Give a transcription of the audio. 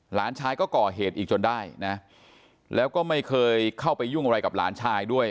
หลานชายก็ก่อเหตุอีกจนได้นะแล้วก็ไม่เคยเข้าไปยุ่งอะไรกับหลานชายด้วย